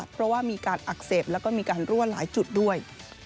เพราะว่ามีการอักเสบแล้วก็มีการรั่วหลายจุดด้วย